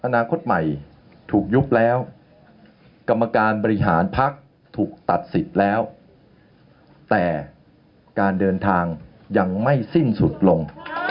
อนาคตใหม่ถูกยุบแล้วกรรมการบริหารพักถูกตัดสิทธิ์แล้วแต่การเดินทางยังไม่สิ้นสุดลง